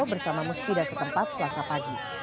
bersama musbida setempat selasa pagi